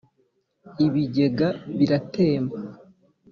ibigega biratemba